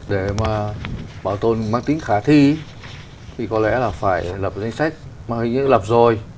để mà bảo tồn mang tính khả thi thì có lẽ là phải lập danh sách mà hình như lập rồi